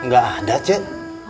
gak ada cik